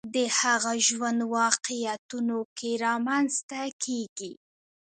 د هغه ژوند واقعیتونو کې رامنځته کېږي